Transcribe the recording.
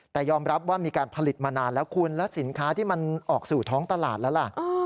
แต่ยอมรับว่ามีการผลิตมานานแล้วคุณแล้วสินค้าที่มันออกสู่ท้องตลาดแล้วล่ะ